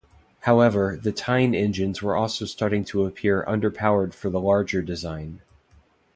However, the Tyne engines were also starting to appear underpowered for the larger design.